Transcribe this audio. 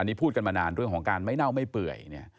อันนี้พูดกันมานานเรื่องของการไม่เน่าไม่เปื่อยเนี่ย